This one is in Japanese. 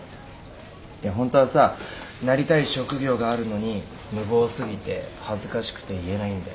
ホントはさなりたい職業があるのに無謀すぎて恥ずかしくて言えないんだよ。